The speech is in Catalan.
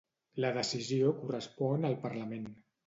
La decisió correspon al Parlament.